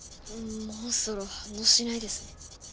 モンストロ反応しないですね。